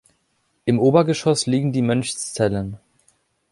Im Obergeschoss liegen die Mönchszellen.